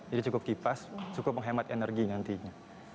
jadi cukup kipas cukup menghemat energi nantinya